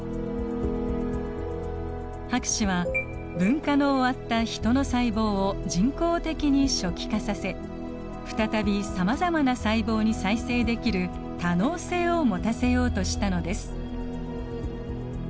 博士は分化の終わったヒトの細胞を人工的に初期化させ再びさまざまな細胞に再生できる多能性を持たせようとしたのです。